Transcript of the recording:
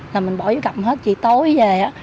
rồi mình bỏ vô cầm hết chị tối về á